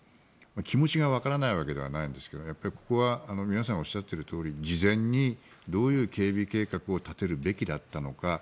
気持ちがわからないわけではないんですけどここは皆さんおっしゃっているように事前にどういう警備計画を立てるべきだったのか。